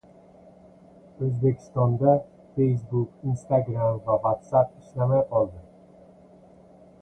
O‘zbekistonda Facebook, Instagram va WhatsApp ishlamay qoldi